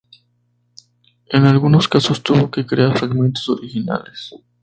En algunos casos tuvo que crear fragmentos originales.